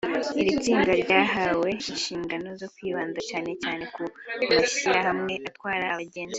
Iri tsinda ryahawe inshingano zo kwibanda cyane cyane ku mashyirahamwe atwara abagenzi